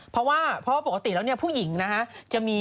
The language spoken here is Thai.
เพราะว่าปกติแล้วเนี่ยผู้หญิงนะฮะ